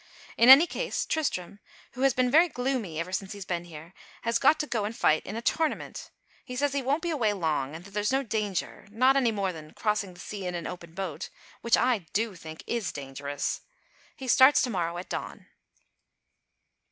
In any case Tristram, who has been very gloomy ever since he's been here, has got to go and fight in a tournament. He says he won't be away long and that there's no danger; not any more than crossing the sea in an open boat, which I do think is dangerous. He starts to morrow at dawn.